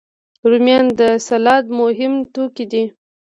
رومیان د سلاد مهم توکي دي